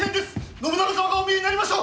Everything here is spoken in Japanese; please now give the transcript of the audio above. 信長様がお見えになりました！